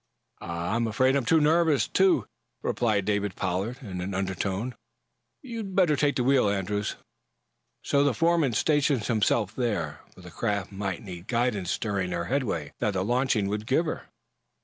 "I I'm afraid I'm too nervous to," replied David Pollard, in an undertone. "You'd better take the wheel, Andrews." So the foreman stationed himself there, for the craft might need guidance during the headway that the launching would give her.